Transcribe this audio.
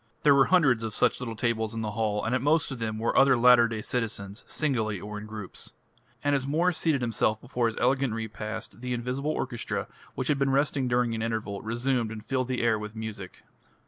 There were hundreds of such little tables in the hall, and at most of them were other latter day citizens singly or in groups. And as Mwres seated himself before his elegant repast, the invisible orchestra, which had been resting during an interval, resumed and filled the air with music.